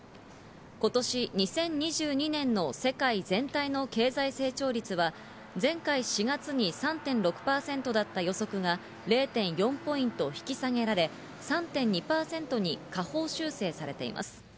今年２０２２年の世界全体の経済成長率は前回４月に３．６％だった予測が０．４ポイント引き下げられ、３．２％に下方修正されています。